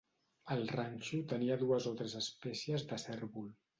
El ranxo tenia dues o tres espècies de cérvol.